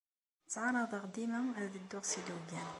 Ttɛaraḍeɣ dima ad dduɣ s ilugan.